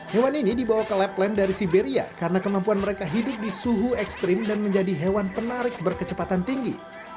hewan ini dibawa ke lab land dari siberia karena kemampuan mereka hidup di suhu ekstrim dan menjadi hewan penarik berkecepatan tinggi